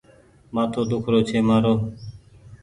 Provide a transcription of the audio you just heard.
مآٿو ۮيک رو ڇي مآرو ۔